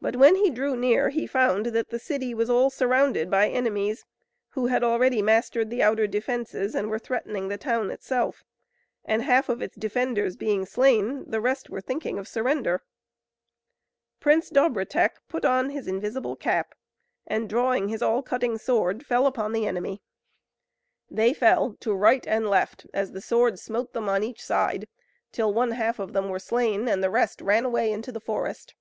But when he drew near he found that the city was all surrounded by enemies, who had already mastered the outer defences, and were threatening the town itself; and half of its defenders being slain, the rest were thinking of surrender. Prince Dobrotek put on his invisible cap, and drawing his All Cutting Sword, fell upon the enemy. They fell to right and left as the sword smote them on each side, till one half of them were slain, and the rest ran away into the forest.